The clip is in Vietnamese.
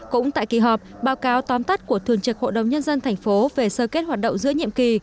cũng tại kỳ họp báo cáo tóm tắt của thường trực hội đồng nhân dân thành phố về sơ kết hoạt động giữa nhiệm kỳ